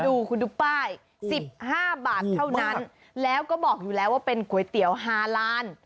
ดูคุณดูป้าย๑๕บาทเท่านั้นแล้วก็บอกอยู่แล้วว่าเป็นก๋วยเตี๋ยว๕ล้าน